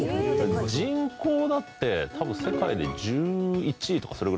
人口だって多分世界で１１位とかそれぐらいなんじゃないですか？